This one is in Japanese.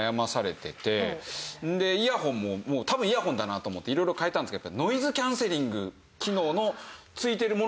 イヤホンも多分イヤホンだなと思って色々変えたんですけど。